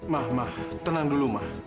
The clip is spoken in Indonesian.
ma ma tenang dulu ma